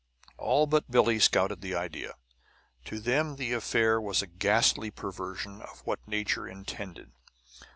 All but Billie scouted the idea. To them the affair was a ghastly perversion of what Nature intended.